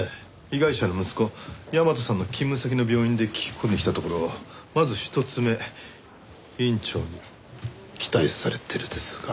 被害者の息子大和さんの勤務先の病院で聞き込んできたところまず１つ目「院長に期待されてる」ですが。